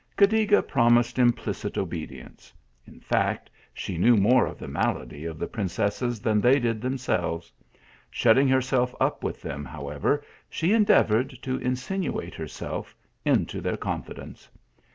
Cadiga promised implicit obedience. In fact, she knew more of the malady of the princesses than they did themselves. Shutting herself up with them, however, she endeavoured to insinuate her self into their confidence.